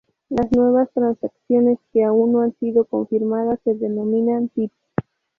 Las nuevas transacciones que aún no han sido confirmadas se denominan "tips.